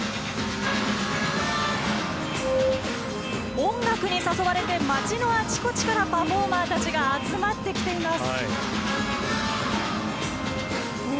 音楽に誘われて街の、あちこちからパフォーマーたちが集まってきています。